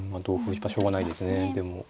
やっぱりしょうがないですねでも。